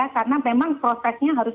karena memang prosesnya harus